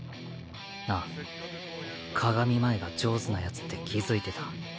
なあ鏡前が上手なヤツって気付いてた？